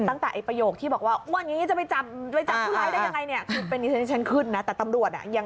ตั้งแต่ไอ้ประโยคที่บอกว่าวันนี้จะไปจับ